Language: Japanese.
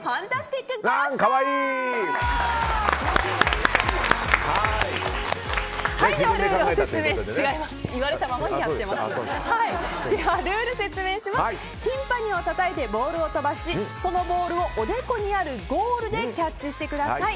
ティンパニをたたいてボールを飛ばしそのボールをおでこにあるゴールでキャッチしてください。